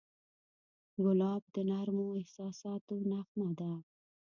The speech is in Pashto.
ګلاب د نرمو احساساتو نغمه ده.